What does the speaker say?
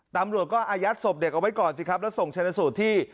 ตำรวจก็อายัดศพเด็กเอาไว้ก่อนสิครับแล้วส่งชนะสูตรที่